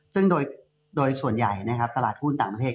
ซึ่งโดยส่วนใหญ่ตลาดหุ้นต่างประเภท